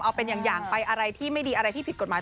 เอาเป็นอย่างไปอะไรที่ไม่ดีอะไรที่ผิดกฎหมาย